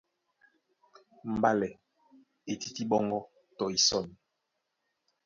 Mbálɛ e tití ɓɔ́ŋgɔ́ tɔ isɔ̂n.